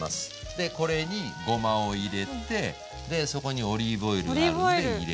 でこれにごまを入れてでそこにオリーブオイル入れて。